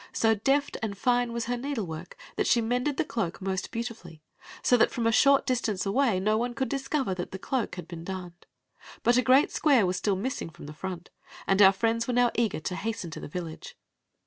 So deft and fine was her needlework that she mended the cloak most beau tifully, so that from a short distance away no one could discover that the cloak had been darned But a great square was still missing from the front, and our friends were now eager to hasten to the village.